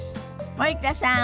森田さん